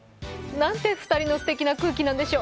なんて２人のすてきな空気なんでしょう。